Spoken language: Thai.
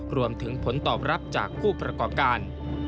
รวมถึงผลตอบรับจากผู้ประกอบการ